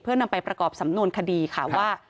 เพื่อนำไปประกอบสำนวนคดีค่ะว่า